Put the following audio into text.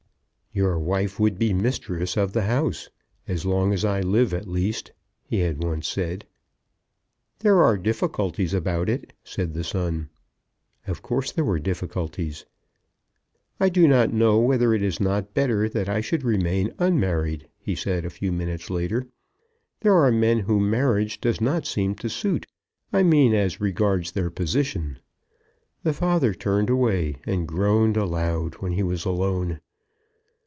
"Your wife would be mistress of the house, as long as I live, at least," he had once said. "There are difficulties about it," said the son. Of course there were difficulties. "I do not know whether it is not better that I should remain unmarried," he said, a few minutes later. "There are men whom marriage does not seem to suit, I mean as regards their position." The father turned away, and groaned aloud when he was alone.